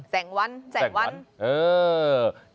แสงวันแสงวันเออ